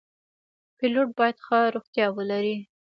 پیلوټ باید ښه روغتیا ولري.